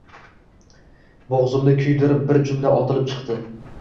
Boʻgʻzimni kuydirib, bir jumla otilib chiqdi: